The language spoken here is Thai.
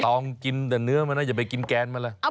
ต้องกินแต่เนื้อมานะอย่าไปกินแกนมาล่ะ